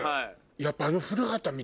やっぱあの。